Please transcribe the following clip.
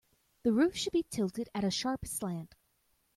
The roof should be tilted at a sharp slant.